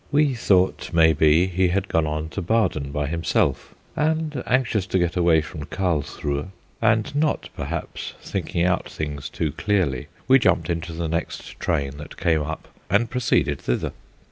We thought, maybe, he had gone on to Baden by himself; and anxious to get away from Carlsruhe, and not, perhaps, thinking out things too clearly, we jumped into the next train that came up and proceeded thither.